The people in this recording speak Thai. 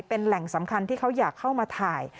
เป็นแหล่งสำคัญที่เขาอยากเข้ามาถ่าย